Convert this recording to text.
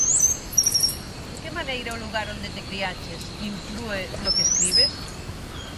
De que maneira o lugar onde te criaches inflúe no que escribes?